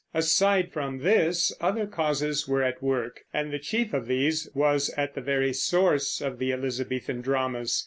Aside from this, other causes were at work, and the chief of these was at the very source of the Elizabethan dramas.